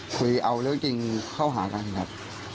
คุยเอาเรื่องจริงเข้าหากันครับ